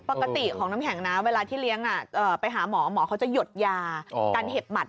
ปกติของน้ำแข็งนะเวลาที่เลี้ยงไปหาหมอหมอเขาจะหยดยาการเห็บหมัด